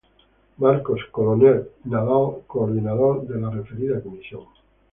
Marcos Coronel Nadal coordinador de la referida Comisión.